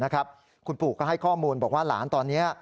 คุณปู่ก็ให้ข้อมูลบอกว่าหลานตอนนี้